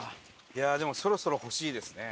いやでもそろそろ欲しいですね。